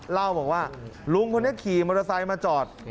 เล่าบอกว่าลุงคนนี้ขี่มอเตอร์ไซค์มาจอด